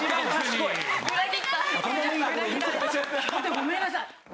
ごめんなさい。